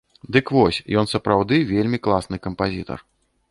Дык вось, ён сапраўды вельмі класны кампазітар.